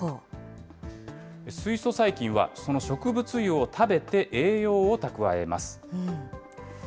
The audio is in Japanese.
水素細菌は、その植物油を食べて栄養を蓄えます。